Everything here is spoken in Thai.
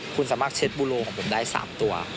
คุณสามารถเช็ดบูโลของผมได้๓ตัว